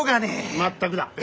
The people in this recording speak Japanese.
全くだ。